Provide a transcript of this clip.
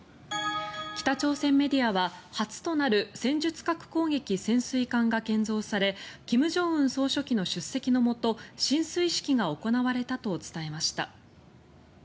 北朝鮮メディアは、初となる戦術核攻撃潜水艦が建造され金正恩総書記の出席のもと進水式が行われたと伝えました。